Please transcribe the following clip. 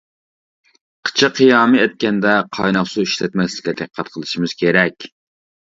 قىچا قىيامى ئەتكەندە قايناق سۇ ئىشلەتمەسلىككە دىققەت قىلىشىمىز كېرەك.